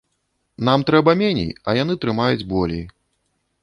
Нам трэба меней, а яны трымаюць болей.